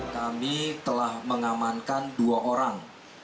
kami telah mengamankan dua orang